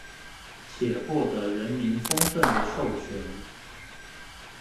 且獲得人民充分的授權